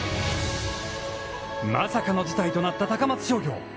まさかの事態となった高松商業。